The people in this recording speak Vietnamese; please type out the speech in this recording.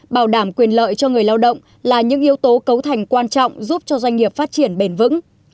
bảo đảm quyền lợi cho người lao động là những yếu tố cấu thành quan trọng giúp cho doanh nghiệp phát triển bền vững